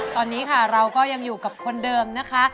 ตอนนี้ค่ะเราก็ยังอยู่กับคนเดิมนะคะ